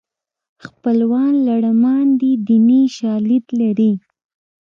خپلوان لړمان دي دیني شالید لري